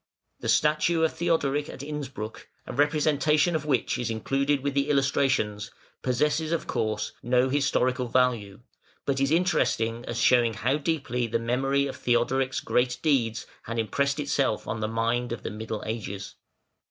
The statue of Theodoric at Innsbruck, a representation of which is included with the illustrations, possesses, of course, no historical value, but is interesting as showing how deeply the memory of Theodoric's great deeds had impressed itself on the mind of the Middle Ages.